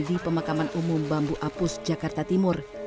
di pemakaman umum bambu apus jakarta timur